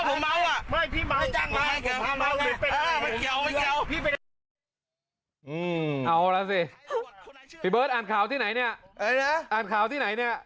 พี่เมาเอาแล้วสิพี่เบิร์ดอ่านข่าวที่ไหนเนี่ยอะไรนะอ่านข่าวที่ไหนเนี่ย